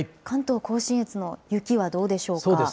関東甲信越の雪はどうでしょうか。